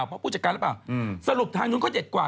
พยพบุจชกรรมหรือเปล่าอืมสรุปทางนู้นก็เด็ดกว่า